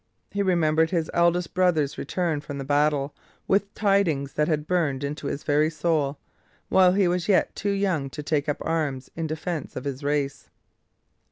He remembered his eldest brother's return from the battle, with tidings that had burned into his very soul, while he was yet too young to take up arms in defence of his race.